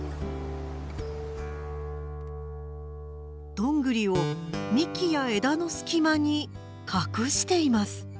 ドングリを幹や枝の隙間に隠しています。